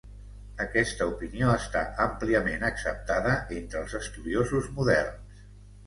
Aquesta opinió està àmpliament acceptada entre els estudiosos moderns.